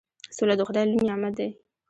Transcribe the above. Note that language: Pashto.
سوله د خدای لوی نعمت دی.